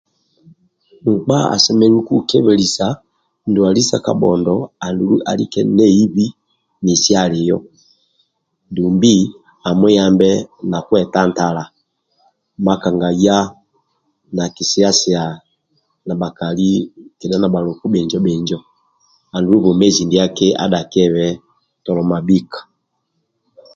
Nkpa asemelelu kukebelisa andwali sa kabhondo andulu alike neibi nesi alio dumbi amuyambe na kwetantala makanga iya nakisisia na bhakali kedha bhaluku bhinjo bhinjo andulu bwomezi ndiaki adhakiebe tolomabhika